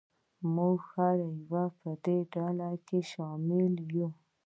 موږ هر یو په دې ډله کې شامل یو.